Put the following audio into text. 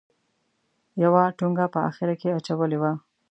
یوه ټونګه په اخره کې اچولې وه.